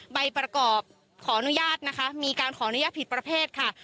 ใบประกอบขออนุญาตนะคะมีการขออนุญาตผิดประเภทค่ะ